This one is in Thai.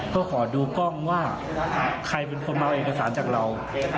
ก็ขอดูกล้องว่าใครเป็นคนมาเอาเอกสารจากเรา